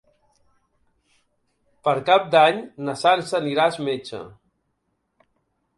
Per Cap d'Any na Sança anirà al metge.